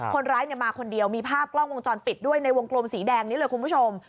คนร้ายมาคนเดียวมีภาพกล้องวงจรปิดด้วยในวงกลมสีแดงนี้เลยคุณผู้ชม